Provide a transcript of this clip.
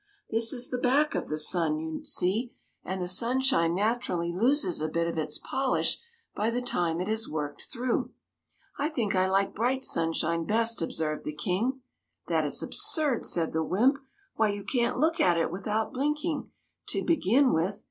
This is the back of the sun, you see, and the sunshine naturally loses a bit of its polish by the time it has worked through." *' I think I like bright sunshine best," ob served the King. " That is absurd !" said the wymp. '• Why, you can't look at it without blinking, to begin with.